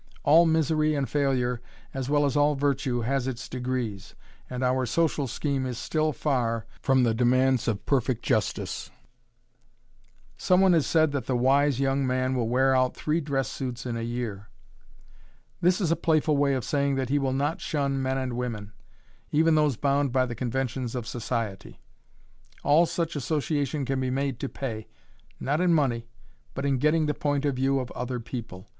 All misery and failure as well as all virtue has its degrees, and our social scheme is still far from the demands of perfect justice. Some one has said that "the wise young man will wear out three dress suits in a year." This is a playful way of saying that he will not shun men and women, even those bound by the conventions of society. All such association can be made to pay not in money but in getting the point of view of other people.